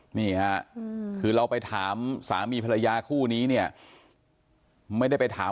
เฮียไปถามกันเขาบอกว่า